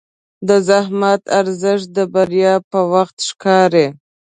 د زحمت ارزښت د بریا په وخت ښکاري.